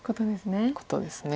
ことですね。